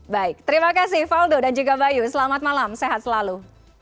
baik terima kasih faldo dan juga bayu selamat malam sehat selalu